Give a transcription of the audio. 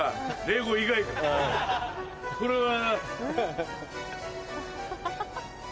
これは。